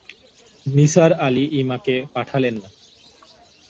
নিসার আলি ইমাকে পাঠালেন না।